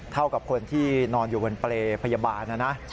เท่ากับคนที่นอนอยู่บนเปลพยาบาล